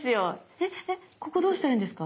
ええここどうしたらいいんですか？